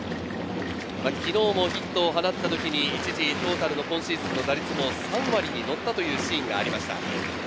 昨日もヒットを放ったときに一時トータルの今シーズンの打率も３割に乗ったというシーンがありました。